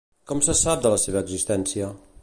Com se sap de la seva existència?